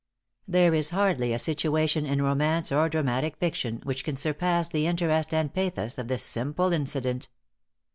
There is hardly a situation in romance or dramatic fiction, which can surpass the interest and pathos of this simple incident.